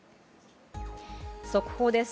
速報です。